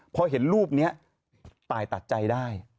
พอเห็นรูปนี้ตายตัดใจได้